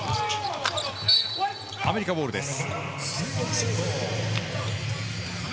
アメリカボールです。